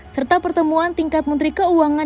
serta pertemuan tingkat menteri keuangan